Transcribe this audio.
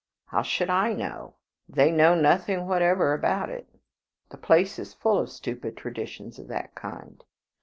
"How should I know? They know nothing whatever about it. The place is full of stupid traditions of that kind."